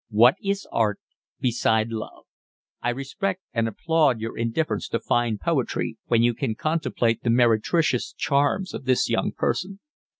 What is art beside love? I respect and applaud your indifference to fine poetry when you can contemplate the meretricious charms of this young person."